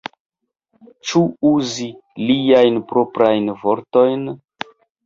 Ĉu uzi liajn proprajn vortojn?